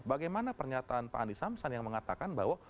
bagaimana pernyataan pak andi samsan yang mengatakan bahwa